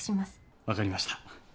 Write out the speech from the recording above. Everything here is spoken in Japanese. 分かりました。